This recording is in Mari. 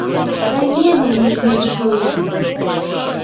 — Таҥемым ужмем шуо!